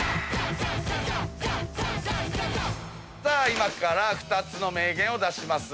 今から２つの名言を出します。